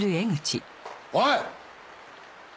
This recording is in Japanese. おい！